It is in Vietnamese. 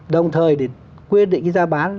đồng thời quyết định cái giá bán